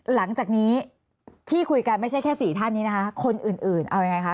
หลังจากนี้ที่คุยกันไม่ใช่แค่สี่ท่านนี้นะคะคนอื่นเอายังไงคะ